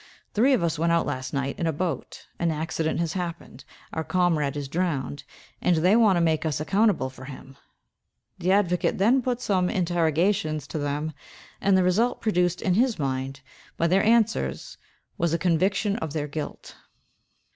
Three of us went out, last night, in a boat; an accident has happened; our comrade is drowned, and they want to make us accountable for him." The advocate then put some interrogations to them, and the result produced in his mind by their answers was a conviction of their guilt.